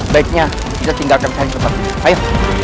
baiknya kita tinggalkan selamat ayo